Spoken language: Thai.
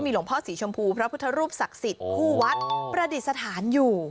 หลวงพ่อสีชมพูพระพุทธรูปศักดิ์สิทธิ์คู่วัดประดิษฐานอยู่